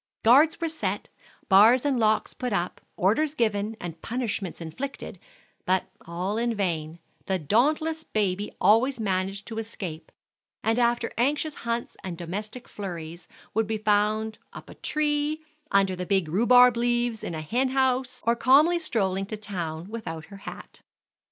Guards were set, bars and locks put up, orders given, and punishments inflicted, but all in vain; the dauntless baby always managed to escape, and after anxious hunts and domestic flurries, would be found up a tree, under the big rhubarb leaves, in a hen house, or calmly strolling to town without her hat.